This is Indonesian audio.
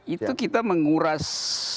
itu kita menguras